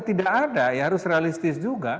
tidak ada ya harus realistis juga